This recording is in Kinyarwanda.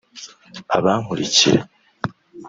abankurikira